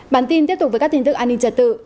bản tin tiếp tục với các tin tức an ninh trật tự